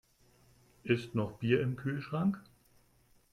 Ist noch Bier im Kühlschrank?